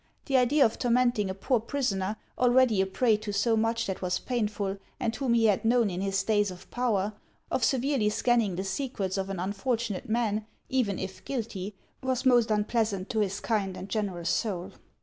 The idea of tormenting a poor prisoner, already a prey to so much that was pain ful, and whom he had known in his days of power, of severely scanning the secrets of an unfortunate man, even if guilty, was most unpleasant to his kind and generous soul.